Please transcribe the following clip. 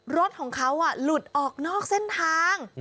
รถของเขาหลุดออกนอกเส้นทาง